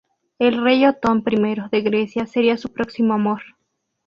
El Rey Otón I de Grecia sería su próximo amor.